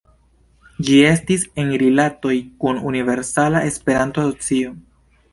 Ĝi estis en rilatoj kun Universala Esperanto-Asocio.